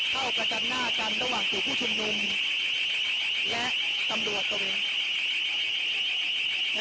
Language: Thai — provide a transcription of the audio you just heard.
เข้ากระจัดหน้ากันระหว่างสู่ผู้ชมหนุ่มและสำหรับตรงนี้